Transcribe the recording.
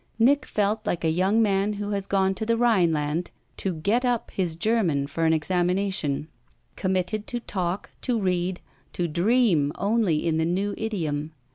Nick felt like a young man who has gone to the Rhineland to "get up" his German for an examination committed to talk, to read, to dream only in the new idiom.